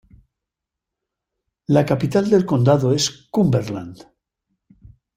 La capital del condado es Cumberland.